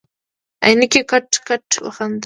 عينکي کټ کټ وخندل.